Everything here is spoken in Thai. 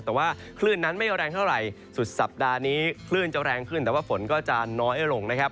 แต่ว่าคลื่นนั้นไม่แรงเท่าไหร่สุดสัปดาห์นี้คลื่นจะแรงขึ้นแต่ว่าฝนก็จะน้อยลงนะครับ